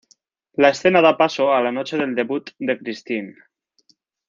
La escena da paso a la noche del debut de Christine.